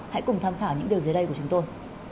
hãy cùng tham khảo những điều dưới đây của chúng tôi